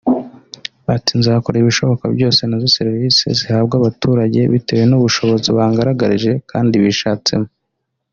Ati ”Nzakora ibishoboka byose noze serivise zihabwa abaturage bitewe n’ubu bushobozi bangaragarije kandi bishatsemo